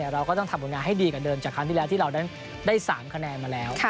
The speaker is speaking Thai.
เราก็ต้องทำผลงานให้ดีกว่าเดิมจากครั้งที่แล้วที่เรานั้นได้๓คะแนนมาแล้ว